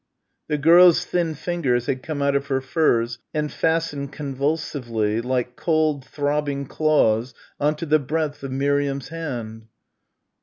The girl's thin fingers had come out of her furs and fastened convulsively like cold, throbbing claws on to the breadth of Miriam's hand.